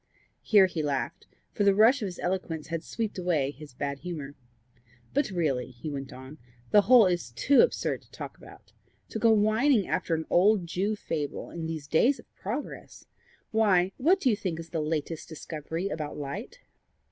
Here he laughed, for the rush of his eloquence had swept away his bad humour. "But really," he went on, "the whole is TOO absurd to talk about. To go whining after an old Jew fable in these days of progress! Why, what do you think is the last discovery about light?"